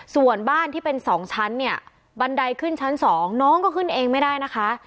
ส่วนบ้านที่เป็น๒ชั้นเนี่ยบันไดขึ้นชั้น๒น้องก็ขึ้นเองไม่ได้นะคะ